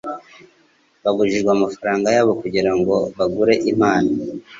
Bahujije amafaranga yabo kugirango bagure impano.